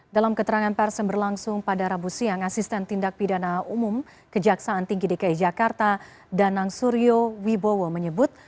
dalam keterangan pers yang berlangsung pada rabu siang asisten tindak pidana umum kejaksaan tinggi dki jakarta danang suryo wibowo menyebut